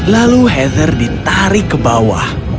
lalu heather ditarik ke bawah